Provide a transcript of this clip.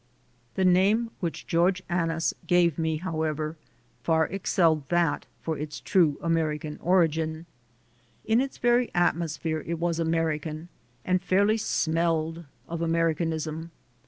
The name which George Annis gave me, however, far excelled that for its true American origin ; in its very atmosphere it was American, and fairly smelled of Americanism.